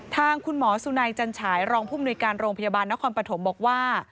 ทางคุณหมอสุนัยจันฉายรองผู้มนุยการโรงพยาบาลนครปฐมบอกว่า